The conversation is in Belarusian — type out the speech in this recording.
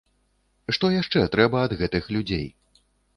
Што яшчэ трэба ад гэтых людзей?